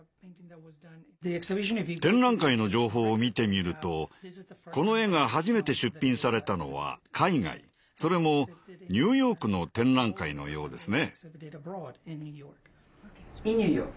展覧会の情報を見てみるとこの絵が初めて出品されたのは海外それもニューヨークの展覧会のようですね。